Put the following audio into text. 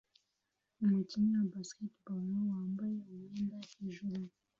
Umukinnyi wa baseball wambaye umwenda hejuru